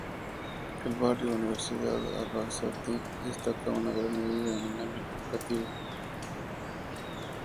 El barrio Universidad de Albacete destaca en gran medida en el ámbito educativo.